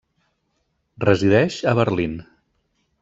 Resideix a Berlín.